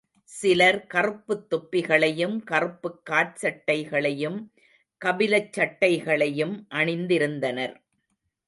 சிலர் கறுப்புத் தொப்பிகளையும் கறுப்புக் காற்சட்டைகளையும், கபிலச்சட்டைகளையும் அணிந்திருந்தனர்.